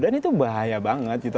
dan itu bahaya banget gitu